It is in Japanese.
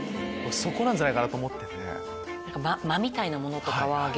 そこなんじゃないかと思ってて。